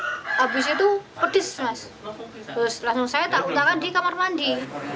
terus langsung saya takut langsung di kamar mandi